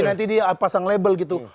nanti dia pasang label gitu